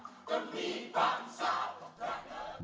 demi bangsa dan negara